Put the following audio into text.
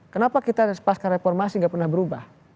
kenapa kita pas reformasi gak pernah berubah